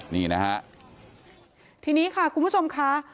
ที่นี้ค่ะคุณผู้ชมค่ะ